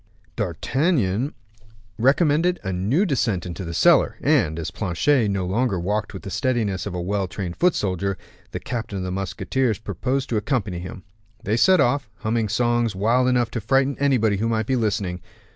D'Artagnan recommended a new descent into the cellar, and, as Planchet no longer walked with the steadiness of a well trained foot soldier, the captain of the musketeers proposed to accompany him. They set off, humming songs wild enough to frighten anybody who might be listening.